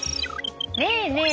ねえねえ